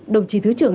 đồng chí thứ trưởng